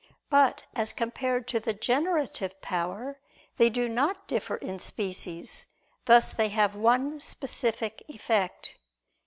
But as compared to the generative power, they do not differ in species; and thus they have one specific effect.